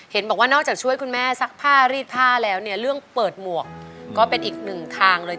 เห็นบอกว่านอกจากช่วยคุณแม่ซักผ้ารีดผ้าแล้วเนี่ยเรื่องเปิดหมวกก็เป็นอีกหนึ่งทางเลย